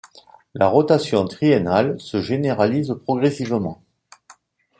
La rotation triennale se généralise progressivement.